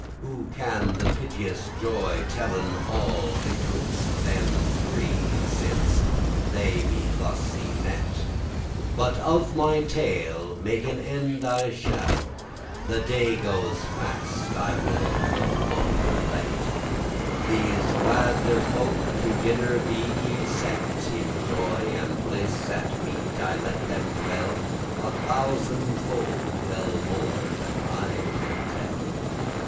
Who can the piteous joye tellen all, Betwixt them three, since they be thus y met? But of my tale make an end I shall, The day goes fast, I will no longer let.* *hinder These gladde folk to dinner be y set; In joy and bliss at meat I let them dwell, A thousand fold well more than I can tell.